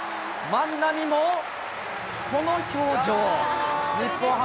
万波もこの表情。